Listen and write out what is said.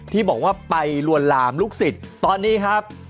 ที่บอกว่าไปลวนลามลูกศิษย์ตอนนี้ครับ